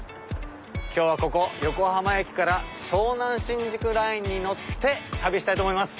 今日はここ横浜駅から湘南新宿ラインに乗って旅したいと思います。